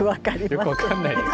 よく分かんないですね。